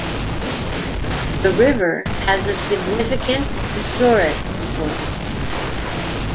The river has a significant historic importance.